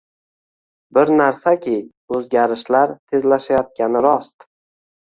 Bir narsaki, oʻzgarishlar tezlashayotgani rost.